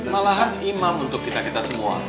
malahan imam untuk kita kita semua